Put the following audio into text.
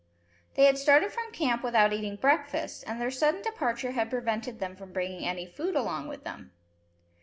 They had started from camp without eating breakfast; and their sudden departure had prevented them from bringing any food along with them.